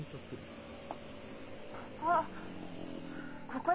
ここ。